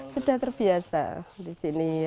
sudah terbiasa di sini ya begitu